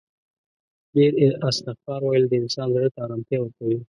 ډیر استغفار ویل د انسان زړه ته آرامتیا ورکوي